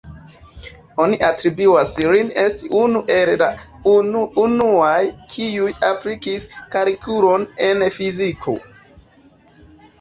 Oni atribuas lin esti unu el la unuaj kiuj aplikis kalkulon en fiziko.